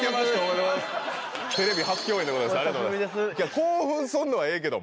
興奮すんのはええけども。